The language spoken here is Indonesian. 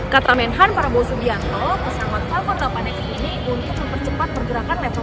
kata menhan para bos ubianto pesawat falcon delapan x ini untuk mempercepat pergerakan level